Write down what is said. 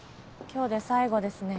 今日で最後ですね